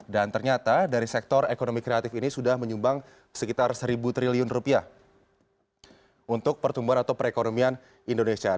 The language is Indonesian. dan ternyata dari sektor ekonomi kreatif ini sudah menyumbang sekitar satu triliun rupiah untuk pertumbuhan atau perekonomian indonesia